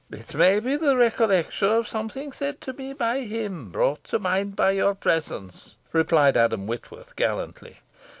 "It may be the recollection of something said to me by him, brought to mind by your presence," replied Adam Whitworth, gallantly.